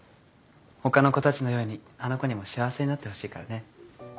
他の子たちのようにあの子にも幸せになってほしいからね。